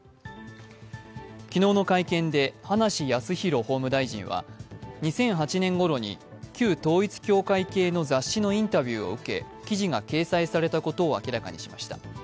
昨日の会見で、葉梨康弘法務大臣は２００８年ごろに旧統一教会系の雑誌のインタビューを受け記事が掲載されたことを明らかにしました。